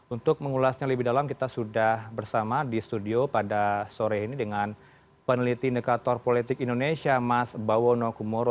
untuk mengulasnya lebih dalam kita sudah bersama di studio pada sore ini dengan peneliti indikator politik indonesia mas bawono kumoro